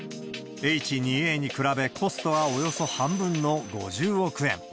Ｈ２Ａに比べ、コストはおよそ半分の５０億円。